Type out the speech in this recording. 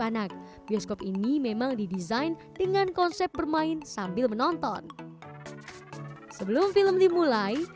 anak bioskop ini memang didesain dengan konsep bermain sambil menonton sebelum film dimulai